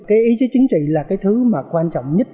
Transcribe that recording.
cái ý chí chính trị là cái thứ mà quan trọng nhất